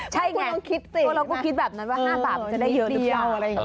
ใช่ไงคุณคิดแบบนั้นว่า๕บาทจะได้เยอะได้ครับใช่อย่างนั้นครับ